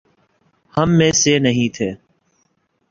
ہم میں سے نہیں تھے؟